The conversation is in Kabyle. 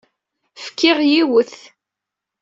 Fkiɣ yiwet.